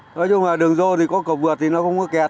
nói chung là đường vô thì có cổ vượt thì nó không có kẹt